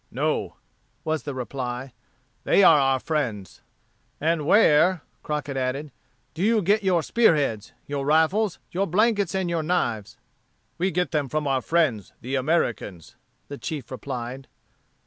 "No," was the reply; "they are our friends." "And where," Crockett added, "do your get your spear heads, your rifles, your blankets, and your knives?" "We get them from our friends the Americans," the chief replied.